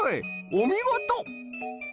おみごと！